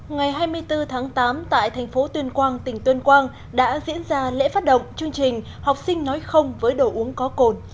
ngày hai mươi bốn tháng tám tại thành phố tuyên quang tỉnh tuyên quang đã diễn ra lễ phát động chương trình học sinh nói không với đồ uống có cồn